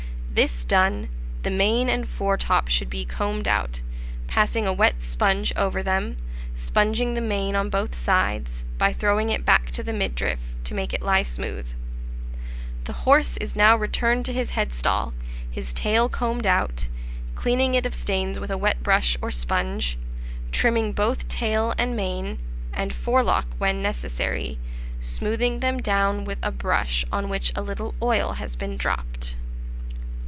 This done, the mane and foretop should be combed out, passing a wet sponge over them, sponging the mane on both sides, by throwing it back to the midriff, to make it lie smooth. The horse is now returned to his headstall, his tail combed out, cleaning it of stains with a wet brush or sponge, trimming both tail and mane, and forelock when necessary, smoothing them down with a brush on which a little oil has been dropped.